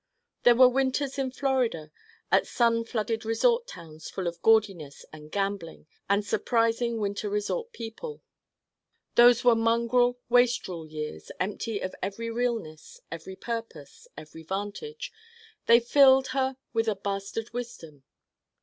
There were winters in Florida at sun flooded resort towns full of gaudiness and gambling and surprising winter resort people. Those were mongrel wastrel years empty of every realness, every purpose, every vantage: they filled her with a bastard wisdom.